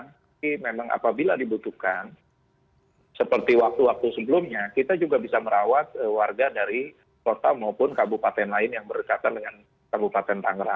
tapi memang apabila dibutuhkan seperti waktu waktu sebelumnya kita juga bisa merawat warga dari kota maupun kabupaten lain yang berdekatan dengan kabupaten tangerang